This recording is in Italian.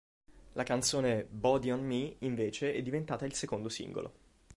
La canzone "Body on Me" invece è diventata il secondo singolo.